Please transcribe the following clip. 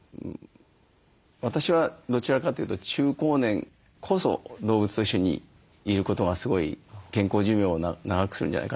私はどちらかというと中高年こそ動物と一緒にいることがすごい健康寿命を長くするんじゃないかなと思ってはいるんですね。